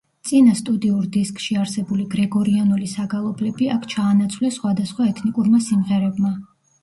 წინა სტუდიურ დისკში არსებული გრეგორიანული საგალობლები აქ ჩაანაცვლეს სხვადასხვა ეთნიკურმა სიმღერებმა.